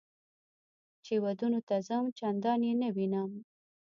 چې ودونو ته ځم چندان یې نه وینم.